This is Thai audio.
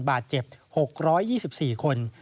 บาดเจ็บ๖๒๔คน